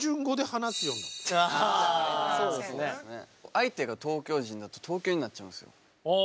相手が東京人だと東京になっちゃうんですよ。